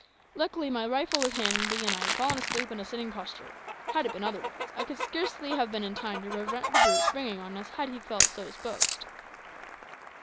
Luckily my rifle was handy, and I had fallen asleep in a sitting posture. Had it been otherwise, I could scarcely have been in time to prevent the brute springing on us, had he felt so disposed."